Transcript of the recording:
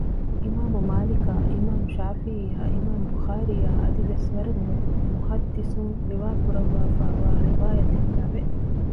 އިމާމު މާލިކާއި އިމާމު ޝާފިޢީއާއި އިމާމު ބުޚާރީއާއި އަދިވެސް ވަރަށް މުޙައްދިޘުން ރިވާކުރަށްވާފައިވާ ރިވާޔަތެއްގައި ވެ